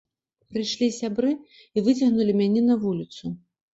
Прыйшлі сябры і выцягнулі мяне на вуліцу.